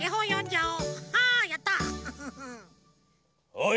・おい！